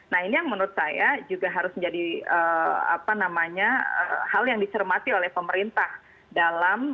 nah ini yang menurut saya juga harus menjadi hal yang dicermati oleh pemerintah dalam